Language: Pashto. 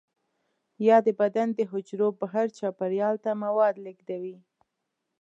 یا د بدن د حجرو بهر چاپیریال ته مواد لیږدوي.